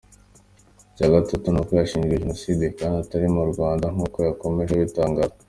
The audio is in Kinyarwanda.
Icya gatatu ni uko yashinjwe Jenoside kandi atari mu Rwanda, nk’uko yakomeje abitangaza.